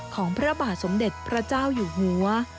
ของพระบาทสมเด็จพระเจ้าอยู่หัว